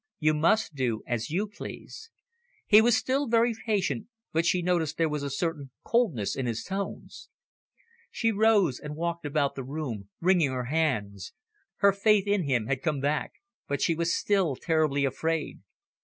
"You must do as you please." He was still very patient, but she noticed there was certain coldness in his tones. She rose and walked about the room, wringing her hands. Her faith in him had come back, but she was still terribly afraid.